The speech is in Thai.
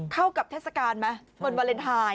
เข้ากับเทศกาลไหมวันวาเลนไทย